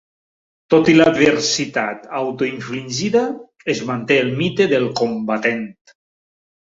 Tot i l'adversitat autoinfligida, es manté el mite del "combatent".